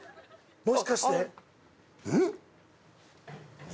もしかして。